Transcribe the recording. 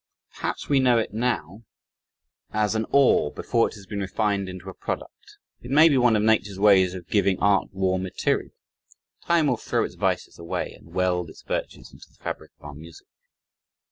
Perhaps we know it now as an ore before it has been refined into a product. It may be one of nature's ways of giving art raw material. Time will throw its vices away and weld its virtues into the fabric of our music.